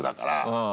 うん。